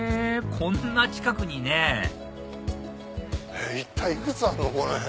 こんな近くにね一体いくつあるの？